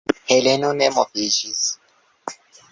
Heleno ne moviĝis.